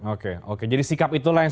oke oke jadi sikap itulah yang